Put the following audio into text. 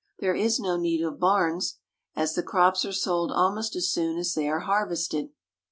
There is no need of barns, as the crops are sold almost as soon as they are harvested.